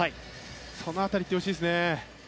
その辺りいってほしいですね。